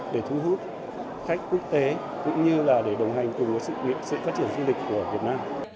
để thu hút khách quốc tế cũng như là để đồng hành cùng sự phát triển du lịch của việt nam